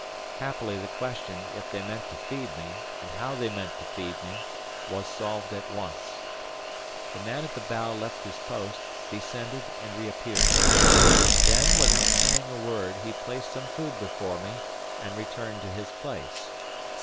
Happily the question if they meant to feed me, and how they meant to feed me, was solved at once. The man at the bow left his post, descended, and reappeared. Then, without saying a word, he placed some food before me and returned to his place.